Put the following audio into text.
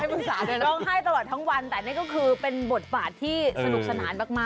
นายไม่ปรึกษาเลยนะค่ะวันทั้งวันทั้งวันแต่นี่ก็คือเป็นบทบาทที่สนุกสนานมาก